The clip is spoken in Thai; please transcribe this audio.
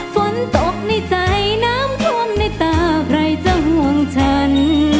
ฝนตกในใจน้ำท่วมในตาใครจะห่วงฉัน